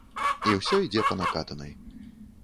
І ўсё ідзе па накатанай.